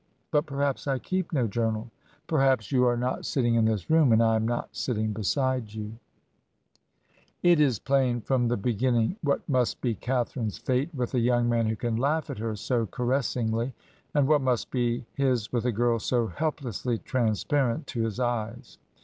'But perhaps I keep no journal.' 'Perhaps you are nt)t sitting in this room, and I am not sitting beside you.' " 60 Digitized by VjOOQIC ANNE ELLIOT AND CATHARINE MORLAND It is plain from the beginning what must be Catha rine's fate with a young man who can laugh at her so caressingly, and what must be his with a girl so help lessly transparent to his eyes.